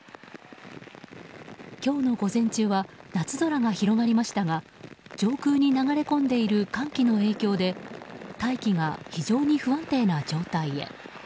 今日の午前中は夏空が広がりましたが上空に流れ込んでいる寒気の影響で大気が非常に不安定な状態へ。